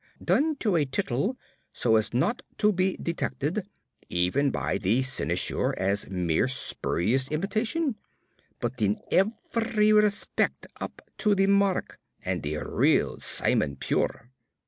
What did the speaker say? done to a tittle, so as not to be detected, even by the cynosure, as mere spurious imitation, but in every respect up to the mark and the real Simon Pure.